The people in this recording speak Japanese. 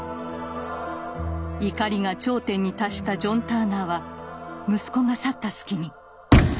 怒りが頂点に達したジョン・ターナーは息子が去った隙に。